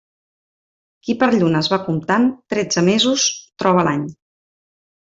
Qui per llunes va comptant, tretze mesos troba a l'any.